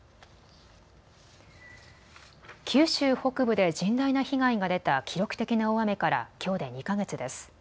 九州北部で甚大な被害が出た記録的な大雨からきょうで２か月です。